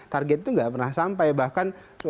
target itu nggak pernah sampai bahkan